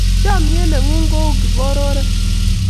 chamiet ne ng'un ko u kibor oret